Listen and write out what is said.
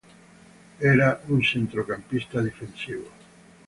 Era un centrocampista difensivo.